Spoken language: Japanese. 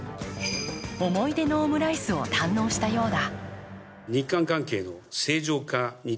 思い出のオムライスを堪能したようだ。